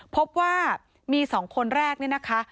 พบว่ามี๒คนแรกนี่นะคะ